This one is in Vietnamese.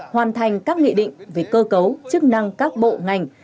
hoàn thành các nghị định về cơ cấu chức năng các bộ ngành